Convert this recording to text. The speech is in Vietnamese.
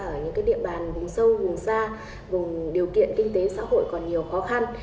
ở những địa bàn vùng sâu vùng xa vùng điều kiện kinh tế xã hội còn nhiều khó khăn